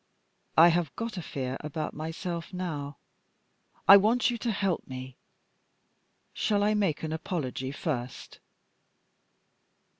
I have got a fear about myself now. I want you to help me. Shall I make an apology first?"